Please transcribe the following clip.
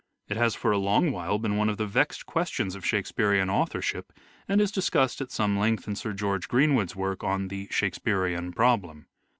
It has for a long while been one of the vexed questions of Shake spearean authorship, and is discussed at some length in Sir George Greenwood's work on the "Shakespearean Problem."